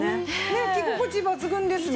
ねっ着心地抜群ですね。